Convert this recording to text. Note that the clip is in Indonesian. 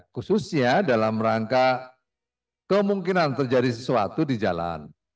khususnya dalam rangka kemungkinan terjadi sesuatu di jalan